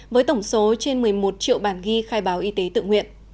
với tổng số trên một mươi một triệu bản ghi khai báo y tế tự nguyện